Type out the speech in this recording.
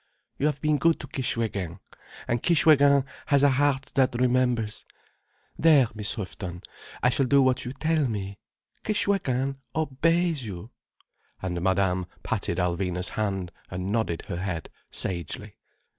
"You have been good to Kishwégin, and Kishwégin has a heart that remembers. There, Miss Houghton, I shall do what you tell me. Kishwégin obeys you." And Madame patted Alvina's hand and nodded her head sagely.